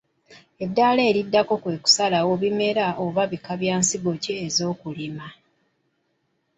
Eddaala eriddako kwe kusalawo bimera oba bika bya nsigo ki ez’okulima.